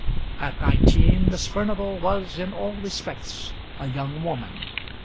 At nineteen Miss Furnival was in all respects a young woman.